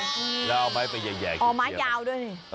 แล้วเอาไม้ไปแย่เขียนมาอ๋อไม้ยาวด้วย